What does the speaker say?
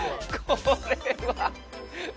これは。